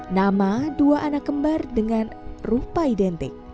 nama dua anak kembar dengan rumpa identik